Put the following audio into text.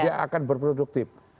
dia akan berproduktif